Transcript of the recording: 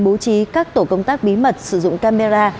bố trí các tổ công tác bí mật sử dụng camera